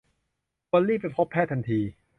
ควรรีบไปพบแพทย์ทันที